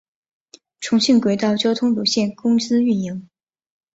重庆轨道交通有限公司运营。